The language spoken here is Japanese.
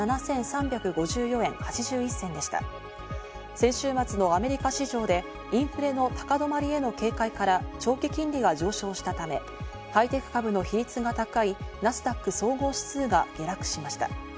先週末のアメリカ市場でインフレの高止まりへの警戒から長期金利が上昇したため、ハイテク株の比率が高いナスダック総合指数が下落しました。